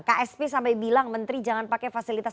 ksp sampai bilang menteri jangan pakai fasilitas